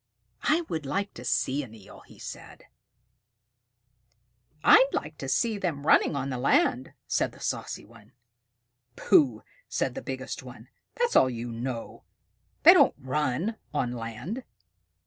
"I would like to see an Eel," said he. "I'd like to see them running on the land," said the saucy one. "Pooh!" said the biggest one. "That's all you know! They don't run on land."